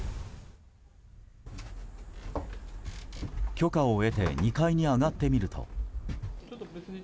許可を得て２階に上がってみると。